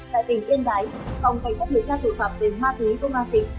tại tỉnh yên lái phòng cảnh sát điều tra tùy phạm về ma túy công an tỉnh